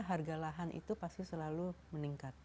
harga lahan itu pasti selalu meningkat